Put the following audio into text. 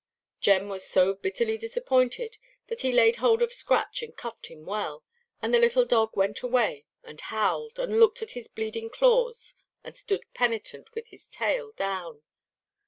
Jem was so bitterly disappointed that he laid hold of Scratch, and cuffed him well, and the little dog went away and howled, and looked at his bleeding claws, and stood penitent, with his tail down.